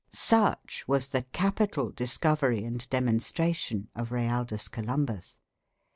Such was the capital discovery and demonstration of Realdus Columbus.